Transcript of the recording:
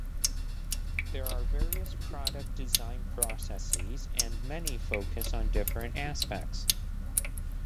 There are various product design processes and many focus on different aspects.